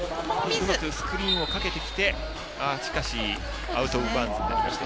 うまくスクリーンをかけてきてしかし、アウト・オブ・バウンズになりました。